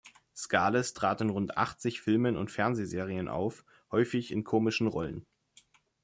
Scales trat in rund achtzig Filmen und Fernsehserien auf, häufig in komischen Rollen.